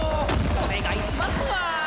お願いしますわ。